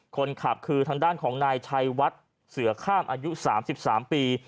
คนขับคือทางด้านของนายชัยวัดเสือข้ามอายุ๓๓ปี